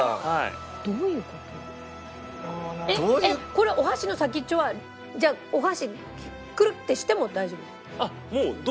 これお箸の先っちょはじゃあお箸クルッてしても大丈夫なの？